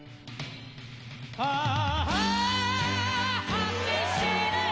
果てしない